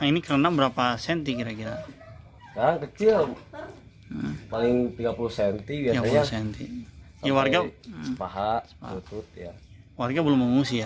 ini kena berapa senti gila gila kecil paling tiga puluh cm senti warga paha paha warga belum mengusia